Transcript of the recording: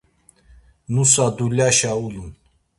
Nusa dulyaşa ulun.